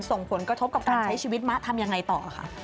ส่งผลกระทบกับการใช้ชีวิตมะทำยังไงต่อคะ